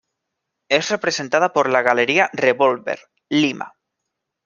Es representada por la Galería Revolver, Lima.